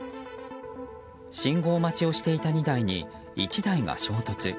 信号待ちをしていた２台に１台が衝突。